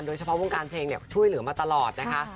โดยเฉพาะวงการเพลงเนี่ยช่วยเหลือมาตลอดนะคะ